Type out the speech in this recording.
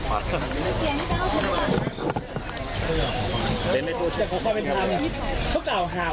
ระวังขาด้วย